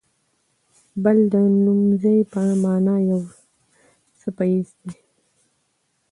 بل د نومځي په مانا یو څپیز دی.